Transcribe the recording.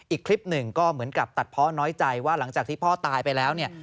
อีกคลิปหนึ่งก็เหมือนกับตัดเพาะน้อยใจว่าหลังจากที่พ่อตายไปแล้วเนี่ย